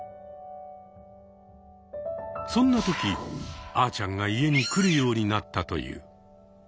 そんな時あーちゃんが家に来るようになったという。